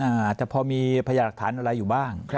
อาจจะพอมีพยาหลักฐานอะไรอยู่บ้าง